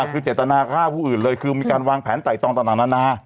คือเจตนาฆ่าผู้อื่นเลยคือมีการวางแผนไต่ตองต่างนานา